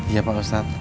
iya pak ustadz